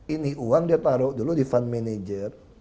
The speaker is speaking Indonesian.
ini uang dia taruh dulu di fund manager